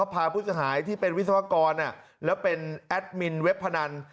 พาผู้เสียหายที่เป็นวิศวกรแล้วเป็นแอดมินเว็บพนัน